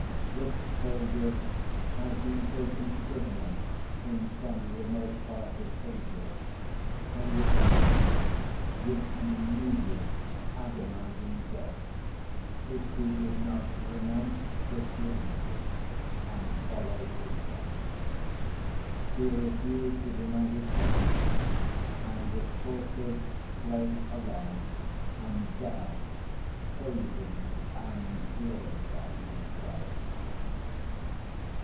This soldier had been taken prisoner in some remote part of Asia, and was threatened with an immediate agonizing death if he did not renounce Christianity and follow Islam. He refused to deny his faith, and was tortured, flayed alive, and died, praising and glorifying Christ.